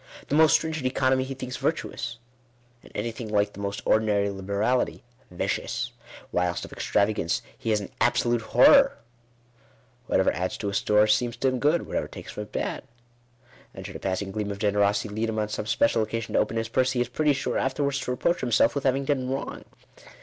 The most strin gent economy he thinks virtuous; and anything like the most ordinary liberality vicious; whilst of extravagance he has an absolute horror. Whatever adds to his store seems to him good ; whatever takes from it, bad. And should a pass ing gleam of generosity lead him on some special occasion to open his purse, he is pretty sure afterwards to reproach himself with having done wrong.